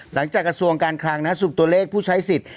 หลังจากกระทรวงการคลังสูบตัวเลขผู้ใช้สิทธิ์